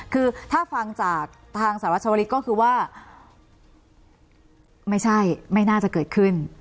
คือถ้าฟังจากทางสหรัฐชวลิศก็คือว่าไม่ใช่ไม่น่าจะเกิดขึ้น